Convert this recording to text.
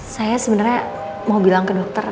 saya sebenarnya mau bilang ke dokter